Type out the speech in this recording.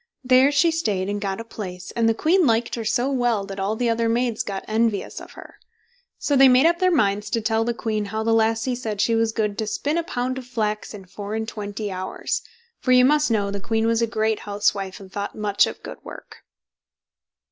There she stayed and got a place, and the queen liked her so well, that all the other maids got envious of her. So they made up their minds to tell the queen how the lassie said she was good to spin a pound of flax in four and twenty hours, for you must know the queen was a great housewife, and thought much of good work.